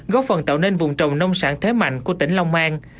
góp phần tạo nên vùng trồng nông sản thế mạnh của tỉnh long an